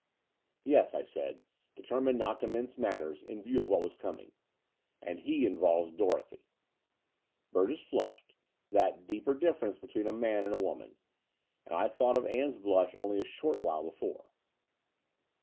"Yes," I said, determined not to mince matters in view of what was coming; ''and he involves Dorothy." Burgess flushed, that deeper difference between a man and a woman: and I thought of Ann's blush only a short while before.